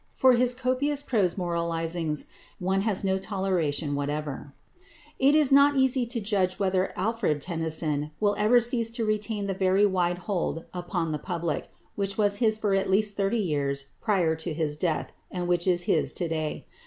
For his copious prose moralizings one has no toleration whatever. It is not easy to judge whether =Alfred Tennyson (1809 1892)= will ever cease to retain the very wide hold upon the public which was his for at least thirty years prior to his death, and which is his to day.